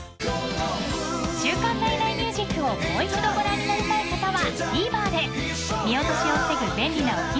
［『週刊ナイナイミュージック』をもう一度ご覧になりたい方は］